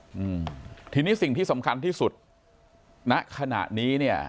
อืมทีนี้สิ่งที่สำคัญที่สุดณขณะนี้เนี้ย